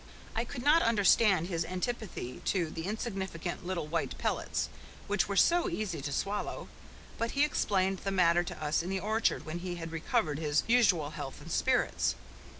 I could not understand his antipathy to the insignificant little white pellets, which were so easy to swallow; but he explained the matter to us in the orchard when he had recovered his usual health and spirits.